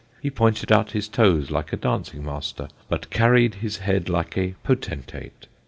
He pointed out his toes like a dancing master; but carried his head like a potentate.